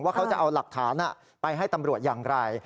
เขาจะเอาหลักฐานไปให้ตำรวจอย่างไร